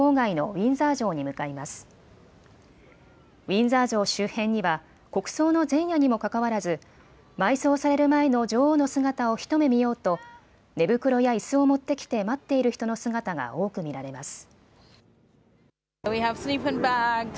ウィンザー城周辺には国葬の前夜にもかかわらず埋葬される前の女王の姿を一目見ようと寝袋やいすを持ってきて待っている人の姿が多く見られます。